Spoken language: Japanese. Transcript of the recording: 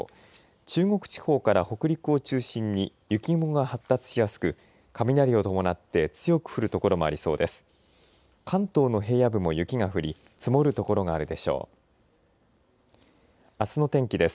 中国地方から北陸を中心に雪雲が発達しやすく雷を伴って強く降る所もありそうです。